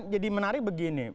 jadi menarik begini